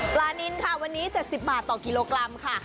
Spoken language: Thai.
นินค่ะวันนี้๗๐บาทต่อกิโลกรัมค่ะ